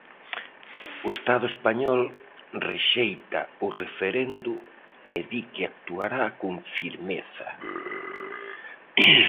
O Estado español rexeita o referendo e di que actuará con "firmeza".